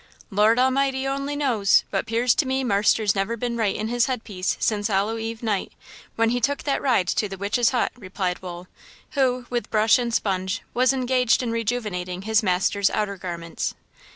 "Lord A'mighty o'ny knows; but 'pears to me marster's never been right in his headpiece since Hollow eve night, when he took that ride to the Witch's Hut," replied Wool, who, with brush and sponge, was engaged in rejuvenating his master's outer garments.